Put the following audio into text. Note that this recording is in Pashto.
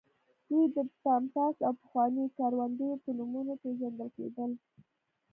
دوی د پامپاس او پخواني کوراندي په نومونو پېژندل کېدل.